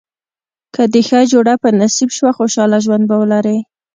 که دې ښه جوړه په نصیب شوه خوشاله ژوند به ولرې.